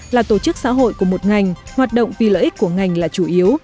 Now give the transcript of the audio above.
là tổ chức xã hội của một ngành hoạt động vì lợi ích của ngành là chủ yếu